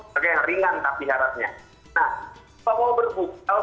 harga yang ringan tak diharapnya nah kalau